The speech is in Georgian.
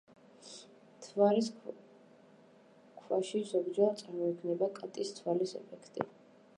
მთვარის ქვაში ზოგჯერ წარმოიქმნება „კატის თვალის“ ეფექტი.